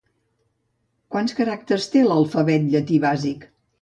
Quants caràcters té l'alfabet llatí bàsic?